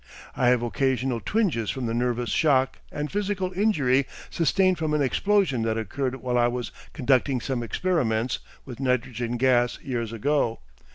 I have occasional twinges from the nervous shock and physical injury sustained from an explosion that occurred while I was conducting some experiments with nitrogen gas years ago.